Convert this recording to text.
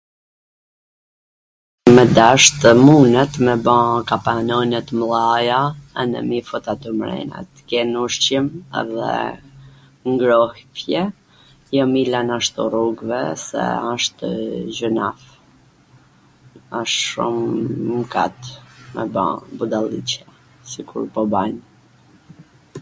me dasht munet me ba kapanone t mdhaja, manej m i fut atje mrena t ken ushqim edhe ngrohje, jo me i lan ashtu rrugve se ashtw gjynah, asht shum mkat me ba budalliqe sikur po bajm